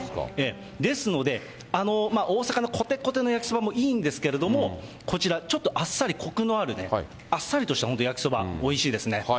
ですので、大阪のこてこての焼きそばもいいんですけれども、こちら、ちょっとあっさりコクのあるあっさりとした本当、焼きそば、おいしいですね。